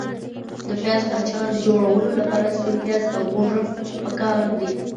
د پیاز اچار جوړولو لپاره سپین پیاز او هوګه پکار دي.